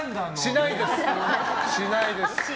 しないです。